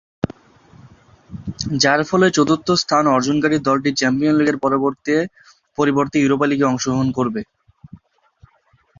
যার ফলে চতুর্থ স্থান অর্জনকারী দলটি চ্যাম্পিয়নস লীগের পরিবর্তে ইউরোপা লীগে অংশগ্রহণ করবে।